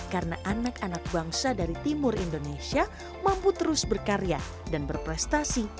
karena anak anak bangsa dari timur indonesia mampu terus berkarya dan berprestasi